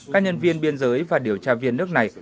các nhân viên biên giới và điều tra viên nước này